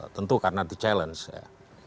tentu karena the challenge ya